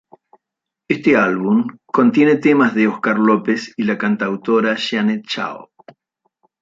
Este álbum contiene temas de Óscar López y la cantautora Jeanette Chao.